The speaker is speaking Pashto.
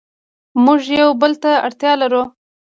موږ یو بل ته اړتیا لرو.